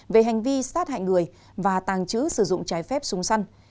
về hành vi sát hại người và tàng trữ sử dụng trái phép súng săn